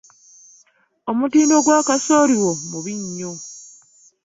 Omutindo gwa kasooli wo mubi nnyo.